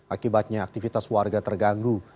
akibatnya aktivitas warga terganggu